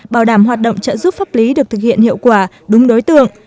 bảo đảm hoạt động trợ giúp pháp lý được thực hiện hiệu quả đúng đối tượng